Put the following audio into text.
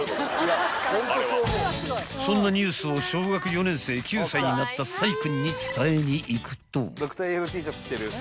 ［そんなニュースを小学４年生９歳になった宰君に伝えに行くと］